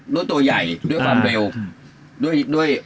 โดยตัวใหญ่ด้วยความเร็ว